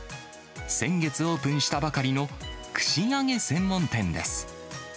先月オープンしたばかりの串揚げ専門店です。